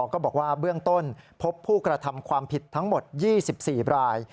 ก็บอกว่าเบื้องต้นพบผู้กระทำความผิดทั้งหมด๒๔ราย